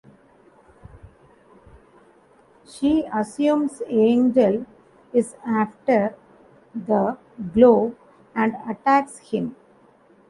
She assumes Angel is after the glove and attacks him.